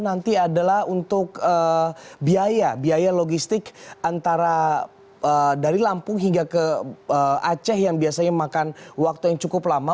nanti adalah untuk biaya biaya logistik antara dari lampung hingga ke aceh yang biasanya memakan waktu yang cukup lama